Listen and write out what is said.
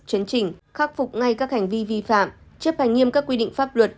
chấn trình khắc phục ngay các hành vi vi phạm chấp hành nghiêm các quy định pháp luật